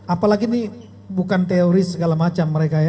apalagi ini bukan teori segala macam mereka ya